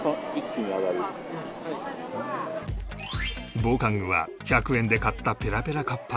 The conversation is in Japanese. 防寒具は１００円で買ったペラペラカッパのみ